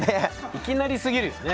いきなりすぎるよね。